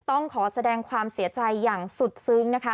ต้องขอแสดงความเสียใจอย่างสุดซึ้งนะคะ